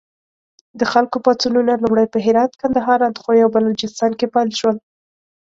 د خلکو پاڅونونه لومړی په هرات، کندهار، اندخوی او بلوچستان کې پیل شول.